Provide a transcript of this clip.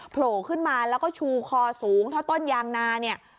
โผล่ขึ้นมาแล้วก็ชูคอสูงเท่าต้นยางนาเนี่ย